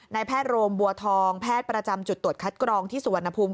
แพทย์โรมบัวทองแพทย์ประจำจุดตรวจคัดกรองที่สุวรรณภูมิ